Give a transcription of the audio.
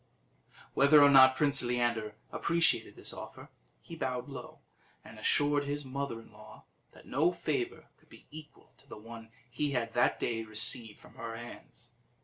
Whether or not Prince Leander appreciated this offer, he bowed low, and assured his mother in law that no favour could be equal to the one he had that day received from her hands.